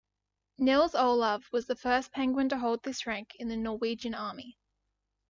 Nils Olav was the first penguin to hold this rank in the Norwegian army.